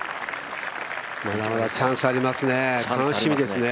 まだまだチャンスありますね、楽しみですね。